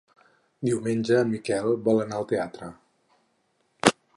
Diumenge en Miquel vol anar al teatre.